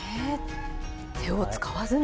手を使わずに。